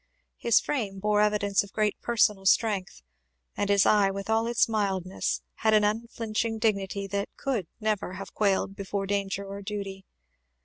His frame bore evidence of great personal strength, and his eye, with all its mildness, had an unflinching dignity that could never have quailed before danger or duty.